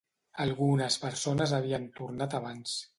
Algunes persones havien tornat abans.